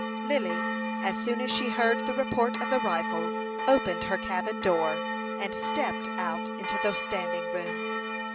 Lily, as soon as she heard the report of the rifle, opened her cabin door, and stepped out into the standing room.